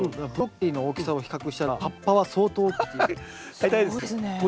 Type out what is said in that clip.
ブロッコリーの大きさを比較したら葉っぱは相当大きいっていう。